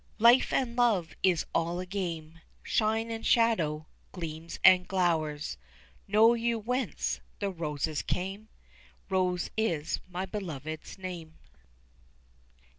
Life and love is all a game, Shine and shadow gleams and glowers Know you whence the roses came? Rose is my beloved's name.